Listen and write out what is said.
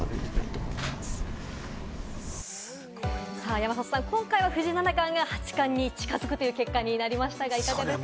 山里さん、今回は藤井七冠が八冠に近づくという結果になりましたが、いかがですか？